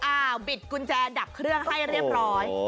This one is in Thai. บิดกุญแจดับเครื่องให้เรียบร้อย